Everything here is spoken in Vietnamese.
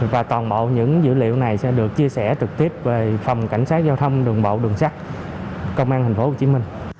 và toàn bộ những dữ liệu này sẽ được chia sẻ trực tiếp về phòng cảnh sát giao thông đường bộ đường sắt công an tp hcm